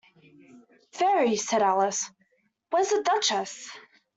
‘Very,’ said Alice: ‘—where’s the Duchess?’